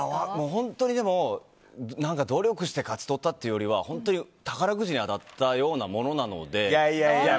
本当に努力して勝ち取ったというよりは本当に宝くじに当たったようなものなので。